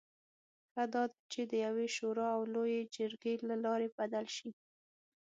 ښه دا ده چې د یوې شورا او لویې جرګې له لارې بدل شي.